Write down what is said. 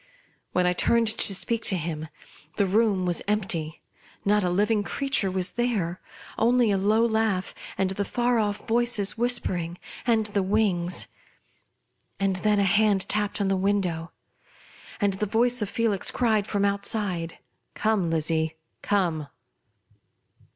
When I turned to speak to him, the room was empty. Not a living creature was there; only a low laugh, and the far off voices whispering, and the wings. And then a hand tapped on the window, and the voice of Felix cried from outside, " Come, Lizzie, come